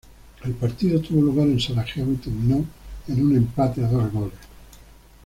El partido tuvo lugar en Sarajevo y terminó en un empate a dos goles.